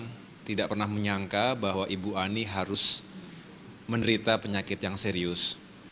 saya tidak pernah menyangka bahwa ibu ani harus menderita penyakit yang serius